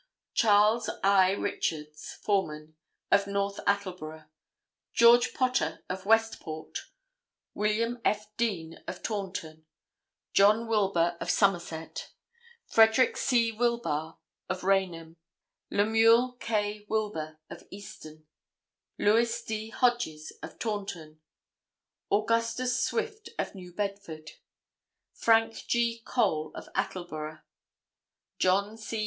Charles I. Richards, foreman, of North Attleboro; George Potter of Westport; William F. Deane of Taunton; John Wilbur of Somerset; Frederick C. Wilbar, of Raynham; Lemuel K. Wilber of Easton; Louis D. Hodges of Taunton; Augustus Swift of New Bedford; Frank G. Cole of Attleboro; John C.